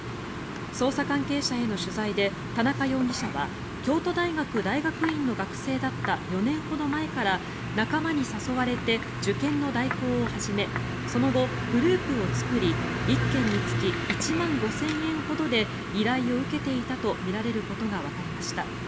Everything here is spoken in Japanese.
捜査関係者への取材で田中容疑者は京都大学大学院の学生だった４年ほど前から仲間に誘われて受験の代行を始めその後、グループを作り１件につき１万５０００円ほどで依頼を受けていたとみられることがわかりました。